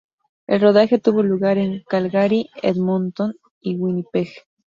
El rodaje tuvo lugar en Calgary, Edmonton y Winnipeg.